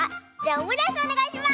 オムライスおねがいします！